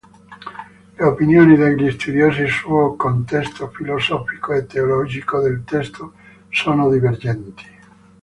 Le opinioni degli studiosi sul contesto filosofico e teologico del testo sono divergenti.